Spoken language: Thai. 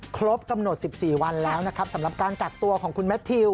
ครบกำหนด๑๔วันแล้วนะครับสำหรับการกักตัวของคุณแมททิว